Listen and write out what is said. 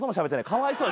かわいそう。